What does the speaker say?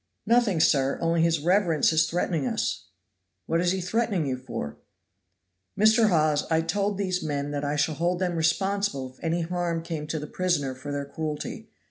"Nothing, sir; only his reverence is threatening us." "What is he threatening you for?" "Mr. Hawes, I told these men that I should hold them responsible if any harm came to the prisoner for their cruelty.